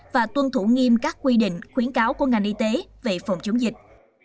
và tuân thủ nghiêm các quy định khuyến cáo của ngành y tế về phòng chống dịch